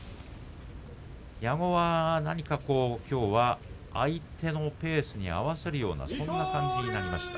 矢後は何かきょうは相手のペースに合わせるようなそんな感じになりました。